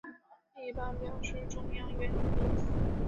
一般表示中央元音。